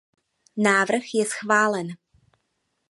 Návrh je schválen.